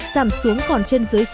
giảm xuống còn trên dưới sáu